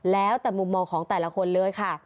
แล้วแต่มุมมองของแต่ละคนเลยค่ะ